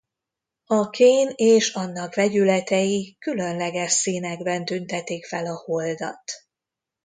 A kén és annak vegyületei különleges színekben tüntetik fel a holdat.